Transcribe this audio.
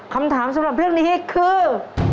คำถามสำหรับเรื่องนี้คือ